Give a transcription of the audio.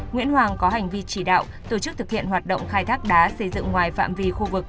nguyễn hoàng có hành vi chỉ đạo tổ chức thực hiện hoạt động khai thác đá xây dựng ngoài phạm vi khu vực